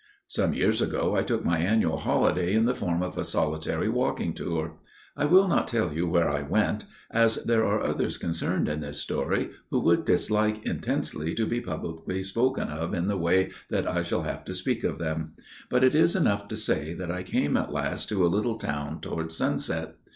"Some years ago I took my annual holiday in the form of a solitary walking tour. I will not tell you where I went, as there are others concerned in this story who would dislike intensely to be publicly spoken of in the way that I shall have to speak of them; but it is enough to say that I came at last to a little town towards sunset.